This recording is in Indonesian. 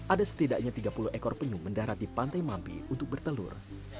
ada setidaknya tiga puluh ekor penyu mendarat di pantai mampi untuk bertelur